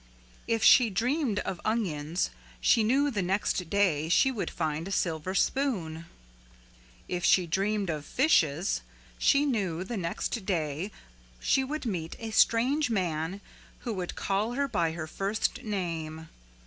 If she dreamed of onions she knew the next day she would find a silver spoon. If she dreamed of fishes she knew the next day she would meet a strange man who would call her by her first name.